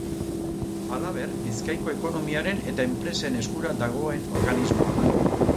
Halaber, Bizkaiko ekonomiaren eta enpresen eskura dagoen organismoa da.